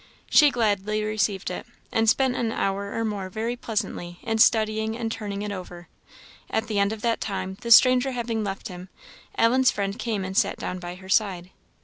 She gladly received it, and spent an hour or more very pleasantly, in studying and turning it over. At the end of that time, the stranger having left him, Ellen's friend came and sat down by her side.